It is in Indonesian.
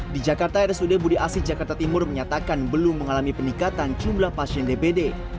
di jakarta rsud budi asi jakarta timur menyatakan belum mengalami peningkatan jumlah pasien dpd